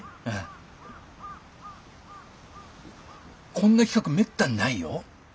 こんな企画めったにないよ？